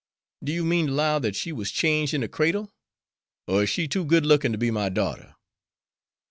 "Do you mean ter 'low that she wuz changed in her cradle, er is she too good lookin' to be my daughter?"